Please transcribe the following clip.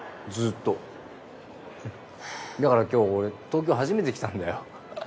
ずっとだから今日俺東京初めて来たんだよ